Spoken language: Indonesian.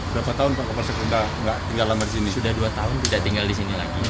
berapa tahun pak koper saya sudah tidak tinggal lama di sini sudah dua tahun tidak tinggal di sini lagi